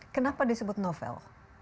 kenapa disebut novel